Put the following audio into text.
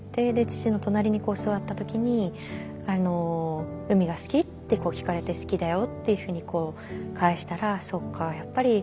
父の隣に座った時に「海が好き？」って聞かれて「好きだよ」っていうふうに返したらそっかやっぱり。